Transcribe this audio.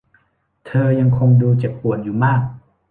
เธอยังคงดูเจ็บปวดอยู่มาก